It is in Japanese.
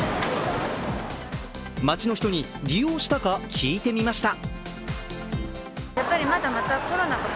街の人に利用したか聞いてみました。